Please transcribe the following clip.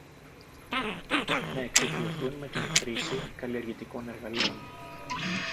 να εξοικειωθούν με τη χρήση καλλιεργητικών εργαλείων